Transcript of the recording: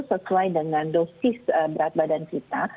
sesuai dengan dosis berat badan kita